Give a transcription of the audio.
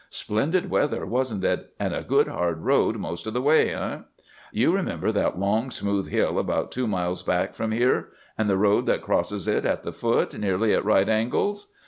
Splendid weather, wasn't it; and a good hard road most of the way, eh? You remember that long, smooth hill about two miles back from here, and the road that crosses it at the foot, nearly at right angles?